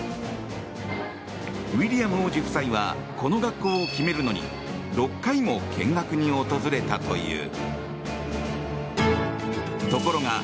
ウィリアム王子夫妻はこの学校を決めるのに６回も見学に訪れたという。